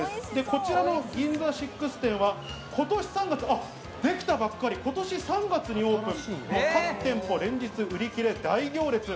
こちらのＧＩＮＺＡＳＩＸ店は今年３月にできたばっかり、今年３月にオープンし、各店舗、連日売り切れ大行列。